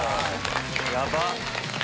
ヤバっ。